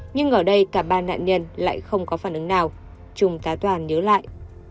nhưng ở đây cả ba nạn nhân lại không có phản ứng nào chúng ta toàn nhớ lại